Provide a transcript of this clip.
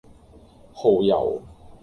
蠔油